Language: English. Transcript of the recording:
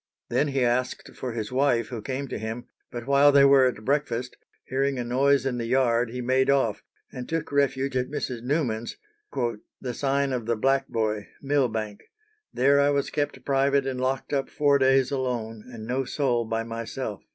Then he asked for his wife, who came to him; but while they were at breakfast, hearing a noise in the yard, he made off, and took refuge at Mrs. Newman's, "the sign of the Black boy, Millbank; there I was kept private and locked up four days alone and no soul by myself."